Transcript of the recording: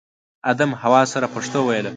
ادم حوا سره پښتو ویله